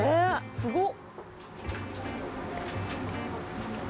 すごっ！」